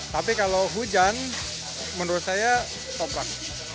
tapi kalau hujan menurut saya toprak